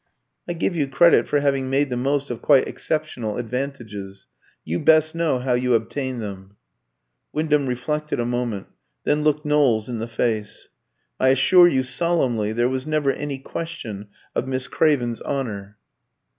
"I give you credit for having made the most of quite exceptional advantages. You best know how you obtained them." Wyndham reflected a moment, then looked Knowles in the face. "I assure you solemnly there was never any question of Miss Craven's honour."